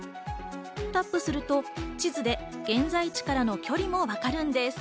タップすると地図で現在地からの距離もわかるんです。